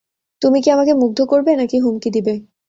তুমি কি আমাকে মুগ্ধ করবে নাকি হুমকি দিবে?